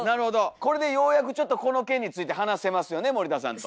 これでようやくこの件について話せますよね森田さんと。